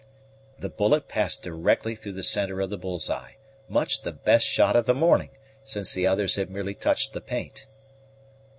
The bullet passed directly through the centre of the bull's eye, much the best shot of the morning, since the others had merely touched the paint.